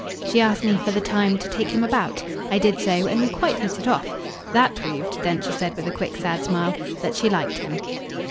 She asked me, for the time, to take him about; I did so, and we quite hit it off. That proved," Densher said with a quick sad smile, "that she liked him."